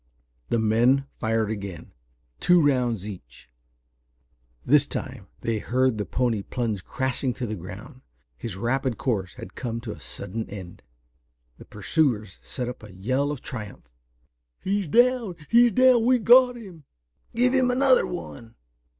The men fired again, two rounds each. This time they heard the pony plunge crashing to the ground. His rapid course had come to a sudden end. The pursuers set up a yell of triumph. "He's down! He's down! We've got him!" "Give him another one!"